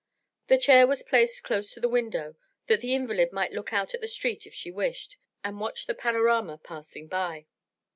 The chair was placed close to the window that the invalid might look out at the street if she wished and watch the panorama passing by.